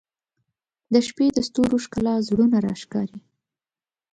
• د شپې د ستورو ښکلا زړونه راښکاري.